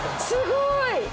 すごい！